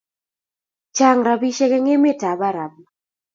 Chang rapishek en emet ab Arab